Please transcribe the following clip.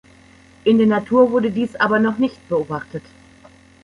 In der Natur wurde dies aber noch nicht beobachtet.